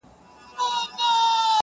زما د زړه کوتره.